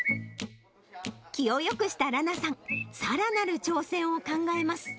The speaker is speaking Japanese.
気をよくした羅名さん、さらなる挑戦を考えます。